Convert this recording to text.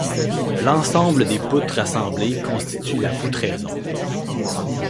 L'ensemble des poutres assemblées constitue la poutraison.